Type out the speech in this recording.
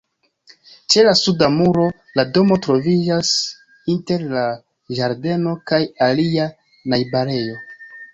Ĉe la suda muro, la domo troviĝas inter la ĝardeno kaj alia najbarejo.